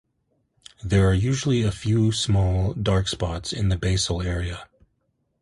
There are usually a few small dark spots in the basal area.